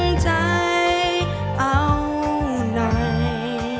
ถึงใจเอาหน่อย